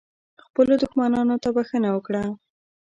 خپلو دښمنانو ته بښنه وکړه .